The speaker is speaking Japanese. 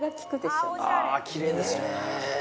ああきれいですね。